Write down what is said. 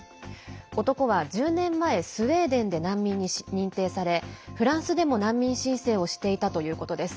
男は１０年前スウェーデンで難民に認定されフランスでも、難民申請をしていたということです。